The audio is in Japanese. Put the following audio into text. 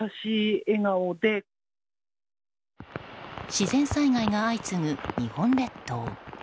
自然災害が相次ぐ日本列島。